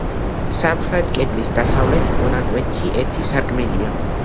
სამხრეთ კედლის დასავლეთ მონაკვეთში ერთი სარკმელია.